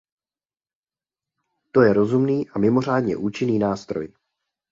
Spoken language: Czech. To je rozumný a mimořádně účinný nástroj.